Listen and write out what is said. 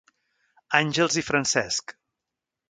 Àngels i Francesc.